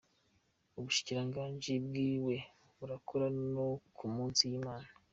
Ubushikiranganji bwiwe burakora no ku misi y’Imana.